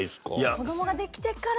子供ができてから。